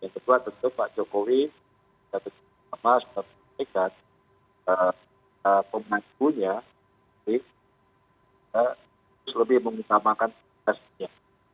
yang kedua tentu pak jokowi saya berpikir sama seperti menteri dan pemenangkulnya saya lebih mengutamakan protestasinya